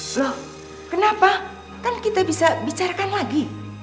so kenapa kan kita bisa bicarakan lagi